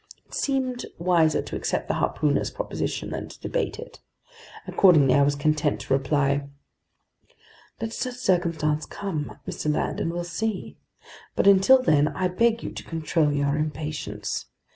It seemed wiser to accept the harpooner's proposition than to debate it. Accordingly, I was content to reply: "Let such circumstances come, Mr. Land, and we'll see. But until then, I beg you to control your impatience.